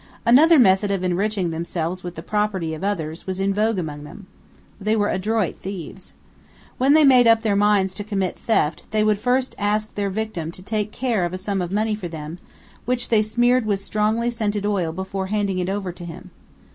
Another method of enriching themselves with the property of others was in vogue among them. They were adroit thieves. When they made up their minds to commit theft, they would first ask their victim to take care of a sum of money for them, which they smeared with strongly scented oil before handing it over to him.